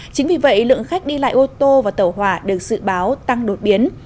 chính vì vậy lượng khách đi lại ô tô và tàu hỏa được dự báo tăng đột biến